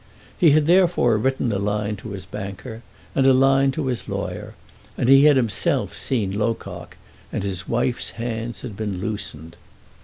He had therefore written a line to his banker, and a line to his lawyer, and he had himself seen Locock, and his wife's hands had been loosened.